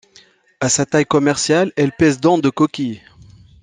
À sa taille commerciale, elle pèse dont de coquille.